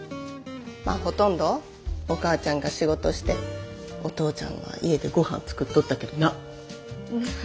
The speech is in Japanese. まあほとんどお母ちゃんが仕事してお父ちゃんが家でごはん作っとったけどな。